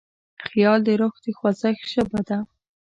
خیال د روح د خوځښت ژبه ده.